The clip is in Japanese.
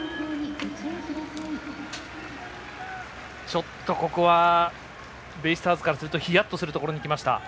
ちょっと、ここはベイスターズからするとヒヤッとするところにきました。